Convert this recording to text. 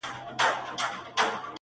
چي یې تباه سول کلي کورونه -